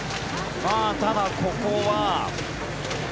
ただ、ここは。